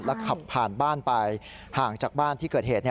ขับผ่านบ้านไปห่างจากบ้านที่เกิดเหตุ